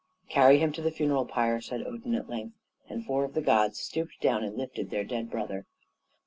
"Carry him to the funeral pyre!" said Odin, at length; and four of the gods stooped down and lifted their dead brother.